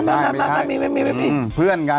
ไปเป็นไง